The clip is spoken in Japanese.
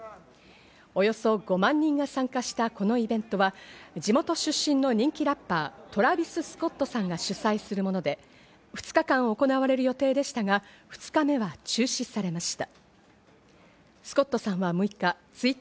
およそ５万人が参加したこのイベントは、地元出身の人気ラッパー、トラビス・スコットさんが主催するもので、２日間行われる予定でしたが、２日目は中止されました。